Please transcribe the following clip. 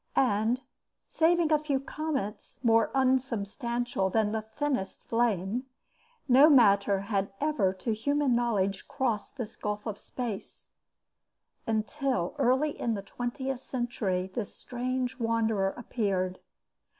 And, saving a few comets more unsubstantial than the thinnest flame, no matter had ever to human knowledge crossed this gulf of space, until early in the twentieth century this strange wanderer appeared.